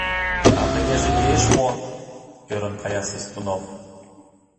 — А тыгеже лиеш мо?! — ӧрын кая Свистунов.